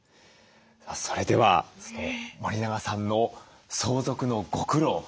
それでは森永さんの相続のご苦労